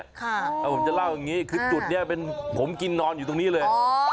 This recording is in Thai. อ๋อและผมจะเล่านี่คือจุดนี่เป็นผมกินนอนอยู่ตรงนี้เลย